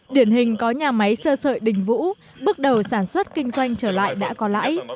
điển hình có nhà máy sơ sợi đình vũ bước đầu sản xuất kinh doanh trở lại đã có lãi